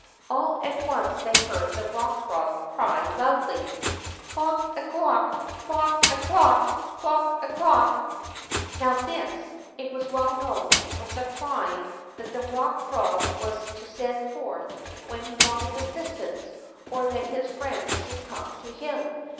All at once they heard the Rock Frog cry loudly : Clook a clook ! Clook a clook ! Clook a clook !'' Row this, it was well known, was the cry that the Rock Frog was to send forth when he wanted assistance, or that his friends should come to him.